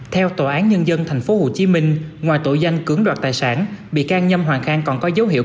theo tòa án nhân dân tp hcm ngoài tội danh cưỡng đoạt tài sản bị can nhâm hoàng khang còn có dấu hiệu